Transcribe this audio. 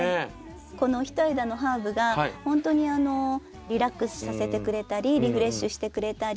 この一枝のハーブがほんとにリラックスさせてくれたりリフレッシュしてくれたり